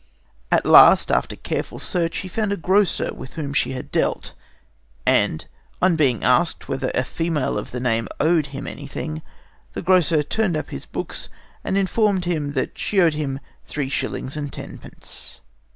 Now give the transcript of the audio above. At last, after careful search, he found a grocer with whom she had dealt, and, on being asked whether a female of the name owed him anything, the grocer turned up his books and informed him that she owed him three shillings and tenpence.